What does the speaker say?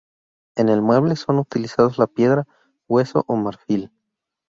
En el mueble son utilizados la piedra, hueso o marfil.